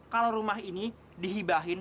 kalau rumah ini dihibahin